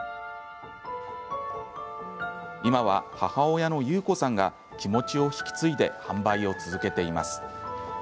今は、母親のゆう子さんが気持ちを引き継いで販売を続けています。